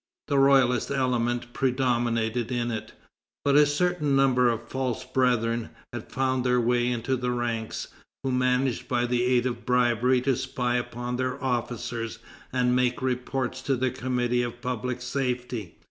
The royalist element predominated in it. But a certain number of "false brethren" had found their way into the ranks, who managed by the aid of bribery to spy upon their officers, and made reports to the committee of public safety.